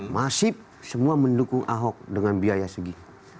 masif semua mendukung ahok dengan biaya segi